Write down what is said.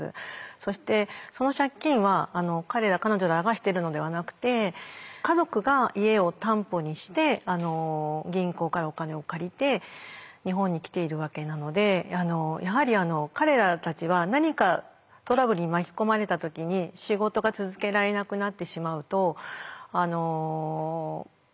そしてその借金は彼ら彼女らがしてるのではなくて家族が家を担保にして銀行からお金を借りて日本に来ているわけなのでやはり彼らたちは何かトラブルに巻き込まれた時に仕事が続けられなくなってしまうと本当に困るんですね。